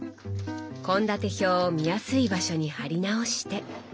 献立表を見やすい場所に貼り直して。